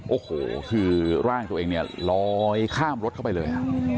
โอ้โหคือร่างตัวเองเนี่ยลอยข้ามรถเข้าไปเลย